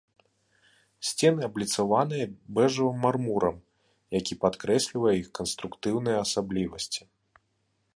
Сцены абліцаваныя бэжавым мармурам, які падкрэслівае іх канструктыўныя асаблівасці.